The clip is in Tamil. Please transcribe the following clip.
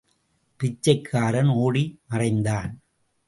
பிச்சைக்காரன் ஒடி மறைந்தான்.